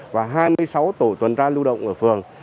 và hai mươi sáu tổ tuần tra lưu động ở phường